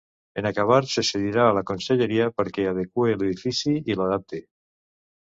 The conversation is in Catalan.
En acabar se cedirà a la conselleria perquè adeqüe l’edifici i l’adapte.